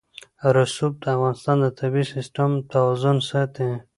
رسوب د افغانستان د طبعي سیسټم توازن ساتي.